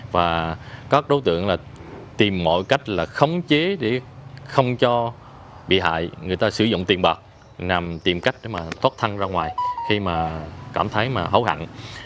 và các đối tượng tìm mọi cách khống chế để không cho bị hại người ta sử dụng tiền bạc tìm cách thoát thăng ra ngoài khi cảm thấy hấu hẳn